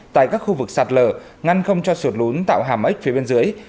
tại các khu vực sạt lở ngăn không cho sụt lún tạo hàm ếch phía bên dưới